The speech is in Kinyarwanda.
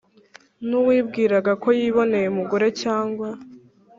nuwibwiraga ko yiboneye umugore cyangwa